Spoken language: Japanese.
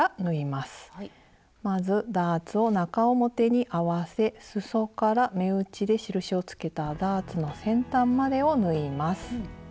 まずダーツを中表に合わせすそから目打ちで印をつけたダーツの先端までを縫います。